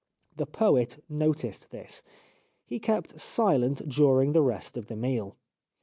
The poet noticed this. He kept silent during the rest of the meal.